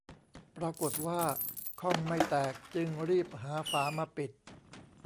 ปรากฏว่าข้องไม่แตกจึงรีบหาฝามาปิด